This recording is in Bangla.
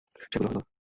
সেগুলি হল-